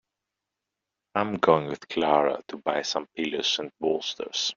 I'm going with Clara to buy some pillows and bolsters.